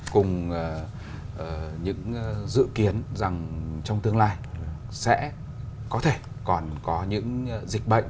cùng những dự kiến rằng trong tương lai sẽ có thể còn có những dịch bệnh